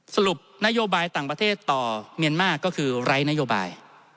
สรุปนโยบายต่างประเทศต่อเมียนมาร์ก็คือไร้นโยบาย